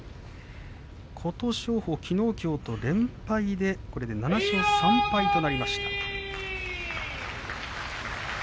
琴勝峰はきのう、きょうと連敗でこれで７勝３敗となりました。